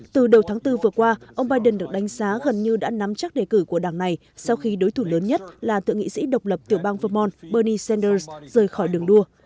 từ đầu tháng bốn vừa qua ông biden được đánh giá gần như đã nắm chắc đề cử của đảng này sau khi đối thủ lớn nhất là thượng nghị sĩ độc lập tiểu bang vermon bernie sanders rời khỏi đường đua